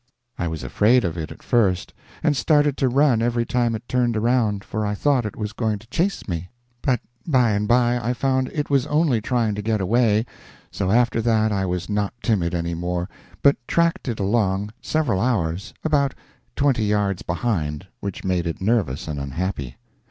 I was afraid of it at first, and started to run every time it turned around, for I thought it was going to chase me; but by and by I found it was only trying to get away, so after that I was not timid any more, but tracked it along, several hours, about twenty yards behind, which made it nervous and unhappy.